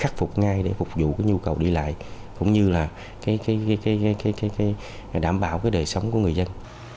cũng như là đảm bảo đời sống của người dân